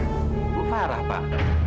bu farah pak